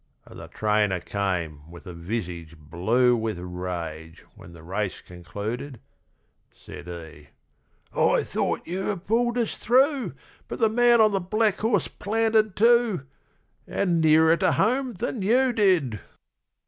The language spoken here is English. ..... And the trainer came with a visage blue With rage, when the race concluded: Said he, 'I thought you'd have pulled us through, But the man on the black horse planted too, AND NEARER TO HOME THAN YOU DID!'